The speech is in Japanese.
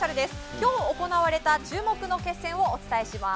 今日、行われた注目の決戦をお伝えします。